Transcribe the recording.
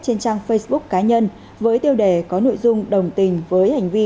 trên trang facebook cá nhân với tiêu đề có nội dung đồng tình với hành vi